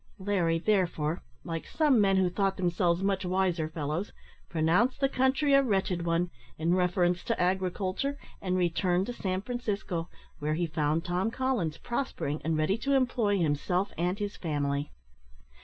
Larry, therefore, like some men who thought themselves much wiser fellows, pronounced the country a wretched one, in reference to agriculture, and returned to San Francisco, where he found Tom Collins, prospering and ready to employ himself and his family.